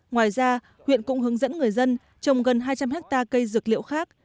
ngoài ra huyện cũng hướng dẫn người dân trồng gần hai trăm linh hectare cây dược liệu khác